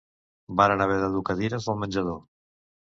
Varen haver de dur cadires del menjador